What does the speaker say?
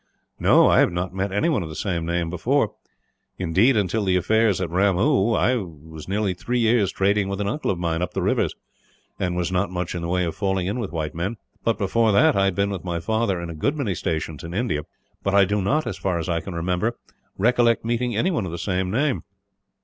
"No, I have not met anyone of the same name, before," Stanley said. "Indeed, until the affair at Ramoo I was nearly three years trading with an uncle of mine, up the rivers; and was not much in the way of falling in with white men. But, before that, I had been with my father in a good many stations in India; but I do not, as far as I can remember, recollect meeting anyone of the same name."